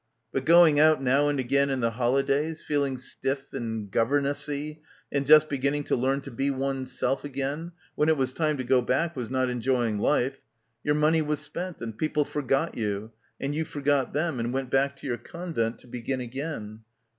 But going out now and again in the holidays, feeling stiff and governessy and just beginning to learn to be oneself again when it was time to go back was not enjoying life ... your money was spent and people forgot you and you forgot them and went back to your convent to begin again.